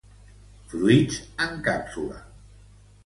Fruits en càpsula.